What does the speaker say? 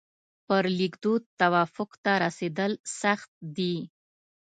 پر لیکدود توافق ته رسېدل سخت دي.